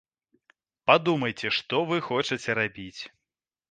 Падумайце, што вы хочаце рабіць!